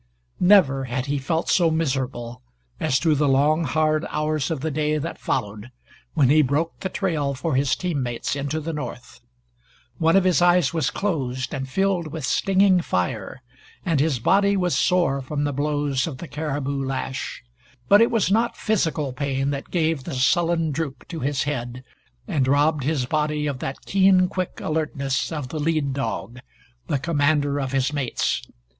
Never had he felt so miserable as through the long hard hours of the day that followed, when he broke the trail for his team mates into the North. One of his eyes was closed and filled with stinging fire, and his body was sore from the blows of the caribou lash. But it was not physical pain that gave the sullen droop to his head and robbed his body of that keen quick alertness of the lead dog the commander of his mates.